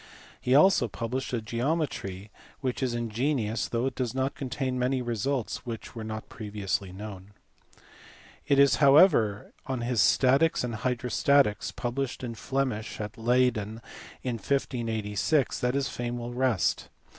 He also published a geometry which is ingenious though it does not contain many results which were not previously known. It is however on his Statics and Hydrostatics published (in Flemish) at Leyden in 1586 that his fame will rest.